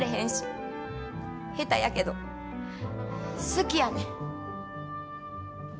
下手やけど好きやねん。